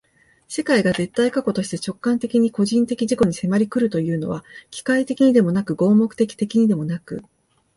世界が絶対過去として直観的に個人的自己に迫り来るというのは、機械的にでもなく合目的的にでもなく、